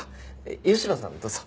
吉野さんどうぞ。